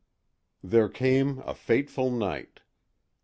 "There came a fateful night.